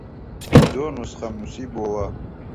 زۆر نوسخەم نووسیبۆوە